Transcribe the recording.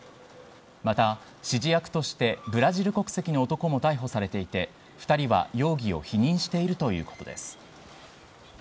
また、指示役としてブラジル国籍の男も逮捕されていて、２人は容疑を否認しているということです。